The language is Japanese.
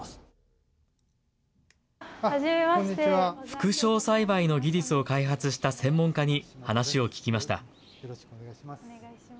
副梢栽培の技術を開発した専門家に話を聞きました。